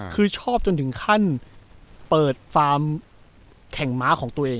คือชอบจนถึงขั้นเปิดฟาร์มแข่งม้าของตัวเอง